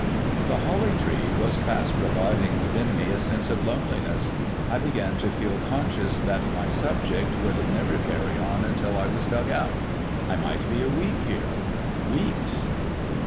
The Holly Tree was fast reviving within me a sense of loneliness. I began to feel conscious that my subject would never carry on until I was dug out. I might be a week here, — weeks